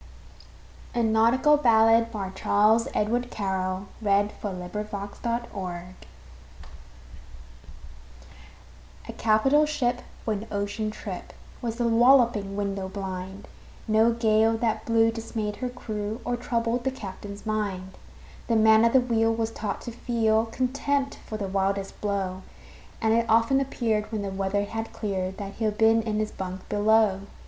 G H . I J . K L . M N . O P . Q R . S T . U V . W X . Y Z A Nautical Ballad A CAPITAL ship for an ocean trip Was The Walloping Window blind No gale that blew dismayed her crew Or troubled the captain's mind. The man at the wheel was taught to feel Contempt for the wildest blow, And it often appeared, when the weather had cleared, That he'd been in his bunk below.